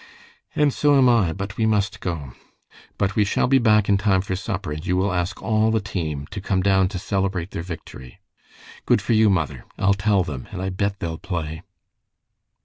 "And so am I, but we must go. But we shall be back in time for supper, and you will ask all the team to come down to celebrate their victory." "Good for you, mother! I'll tell them, and I bet they'll play."